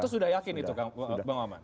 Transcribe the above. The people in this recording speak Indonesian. itu sudah yakin itu bang oman